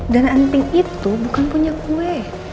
dan hanting itu bukan punya gue